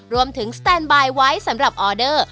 สแตนบายไว้สำหรับออเดอร์